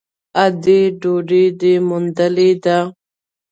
_ادې ! ډوډۍ دې موندلې ده؟